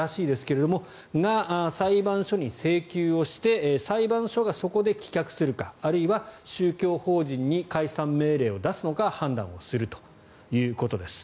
それらが裁判所に請求して裁判所がそこで棄却するかあるいは宗教法人に解散命令を出すのか判断するということです。